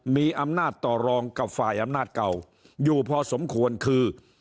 มีอำนาจต่อรองกับฝ่ายอำนาจเก่าอยู่พอสมควรคือ